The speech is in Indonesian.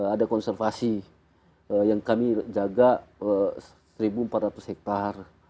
ada konservasi yang kami jaga seribu empat ratus hektar